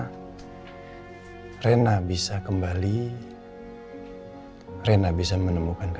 karena cuma di dalam rumah